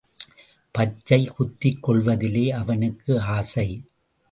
பச்சை குத்திக்கொள்வதிலே அவனுக்கு ஆசை.